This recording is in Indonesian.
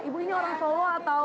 ibu ini orang solo atau